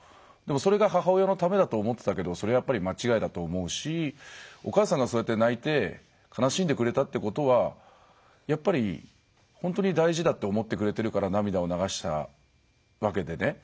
それも母親のためだと思ってたけどそれは間違いだと思うしお母さんがそうやって泣いて悲しんでくれたってことはやっぱり本当に大事だと思ってくれてるから涙を流したわけでね。